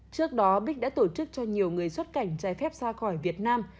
trước đó bích đã tổ chức cho nhiều người xuất cảnh trái phép ra khỏi việt nam